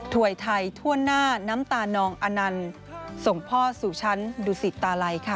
ถวยไทยทั่วหน้าน้ำตานองอนันต์ส่งพ่อสู่ชั้นดุสิตตาลัยค่ะ